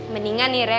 mendingan nih rek